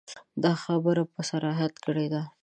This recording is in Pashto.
ده دا خبره په صراحت کړې ده.